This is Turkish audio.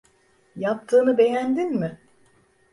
Yaptığını beğendin mi?